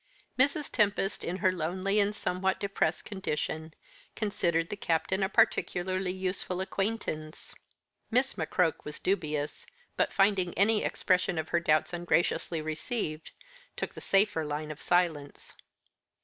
Mrs. Tempest, in her lonely and somewhat depressed condition, considered the Captain a particularly useful acquaintance. Miss McCroke was dubious, but finding any expression of her doubts ungraciously received, took the safer line of silence.